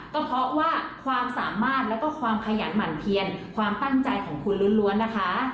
ก็เพราะว่าความสามารถแล้วก็ความขยันหมั่นเพียนความตั้งใจของคุณล้วนนะคะ